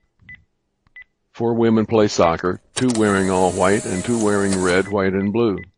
Four women play soccer, two wearing all white and two wearing red, white and blue.